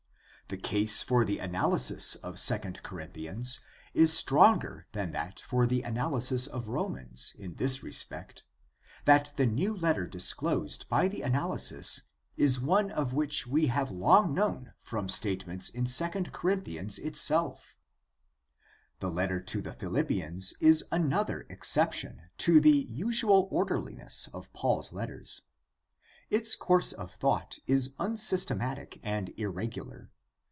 The case for the analysis of II Corinthians 'II IK STUDY OF THE NI':W TESTAMENT 187 is stronger than that for the analysis of Romans in this respect, that the new letter disclosed by the analysis is one of which we have long known from statements in II Corinthians itself. The letter to the Fhilippians is another exception to the usual orderliness of Paul's letters. Its course of thought is unsystematic and irregular.